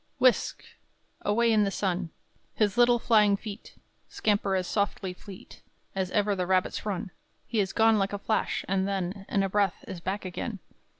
Whisk! away in the sun His little flying feet Scamper as softly fleet As ever the rabbits run. He is gone like a flash, and then In a breath is back again.